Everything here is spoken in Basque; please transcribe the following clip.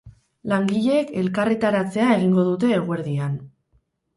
Langileek elkarretaratzea egingo dute eguerdian.